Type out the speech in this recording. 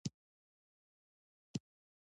د انسان جهان د تورو کانړو غر دے